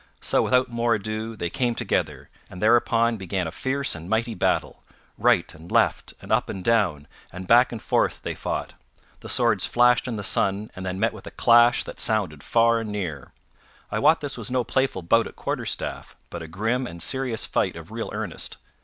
So, without more ado, they came together, and thereupon began a fierce and mighty battle. Right and left, and up and down and back and forth they fought. The swords flashed in the sun and then met with a clash that sounded far and near. I wot this was no playful bout at quarterstaff, but a grim and serious fight of real earnest.